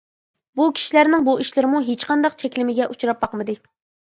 بۇ كىشىلەرنىڭ بۇ ئىشلىرىمۇ ھېچقانداق چەكلىمىگە ئۇچراپ باقمىدى.